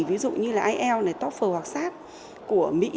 ví dụ như là ielts toefl hoặc sat của mỹ